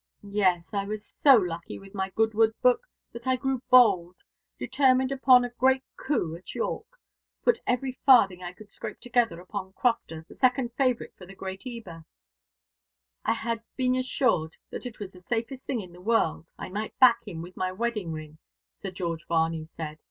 "Yes. I was so lucky with my Goodwood book that I grew bold determined upon a great coup at York, put every farthing I could scrape together upon Crofter, the second favourite for the Great Ebor. I had been assured that it was the safest thing in the world. I might back him with my wedding ring, Sir George Varney said.